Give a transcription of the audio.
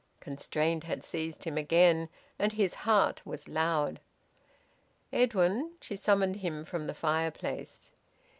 Constraint had seized him again, and his heart was loud. "Edwin," she summoned him, from the fireplace.